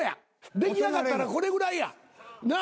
出来上がったらこれぐらいや。